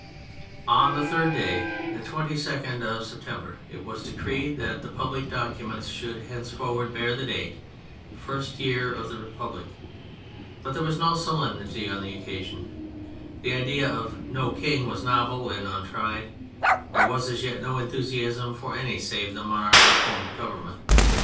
On the third day, the 22nd of September, /it was decreed that the public documents should henceforward bear the date '' First Year of the Republic"; but there was no solemnity on the occasion ; the idea of " No King " was novel and untried ; there was as yet no enthusiasm for any save the monarchic form of government.